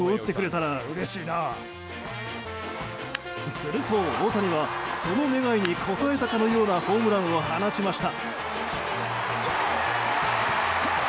すると大谷はその願いに応えたかのようなホームランを放ちました。